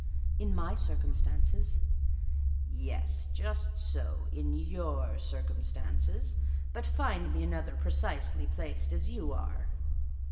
"In my circumstances." "Yes; just so, in your circumstances: but find me another precisely placed as you are."